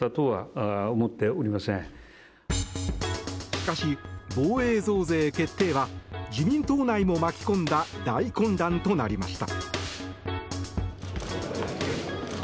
しかし、防衛増税決定は自民党内も巻き込んだ大混乱となりました。